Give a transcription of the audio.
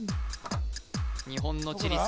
日本の地理